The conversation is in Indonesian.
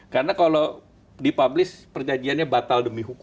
karena kalau di publish perjanjiannya batal demi hukum